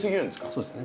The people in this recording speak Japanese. そうですね。